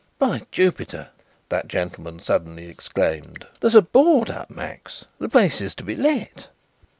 "By Jupiter!" that gentleman suddenly exclaimed, "there's a board up, Max. The place is to be let."